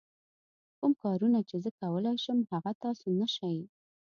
کوم کارونه چې زه کولای شم هغه تاسو نه شئ.